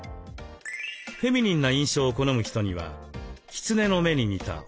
フェミニンな印象を好む人にはキツネの目に似たフォックス型。